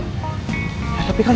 tapi kan sama kemarin tuh giniin gue kan